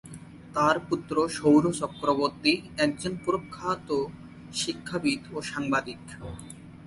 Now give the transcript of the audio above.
তাঁর পুত্র সৌর চক্রবর্তী একজন প্রখ্যাত শিক্ষাবিদ ও সাংবাদিক।